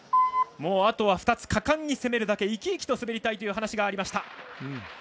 あとは２つ、果敢に攻めるだけ生き生きと滑りたいという話がありました。